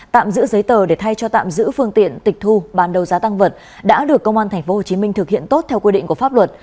tạm giữ giấy tờ để thay cho tạm giữ phương tiện tịch thu bán đầu giá tăng vật đã được công an tp hcm thực hiện tốt theo quy định của pháp luật